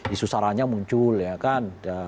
isu saranya muncul ya kan